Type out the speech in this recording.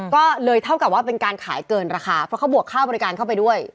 ก็เลยเท่ากับว่าเป็นการขายเกินราคาเพราะเขาบวกค่าบริการเข้าไปด้วย